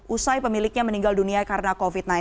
usai pemiliknya meninggal dunia karena covid sembilan belas